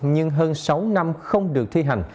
nhưng hơn sáu năm không được thi hành